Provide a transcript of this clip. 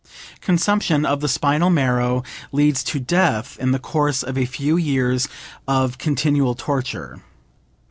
Consumption of the spinal marrow leads to death in the course of a few years of continual torture.